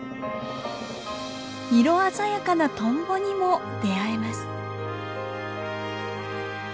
色鮮やかなトンボにも出会えます。